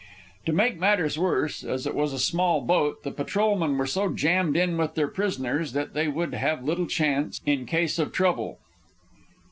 To make matters worse, as it was a small boat, the patrolmen were so jammed in with their prisoners that they would have little chance in case of trouble.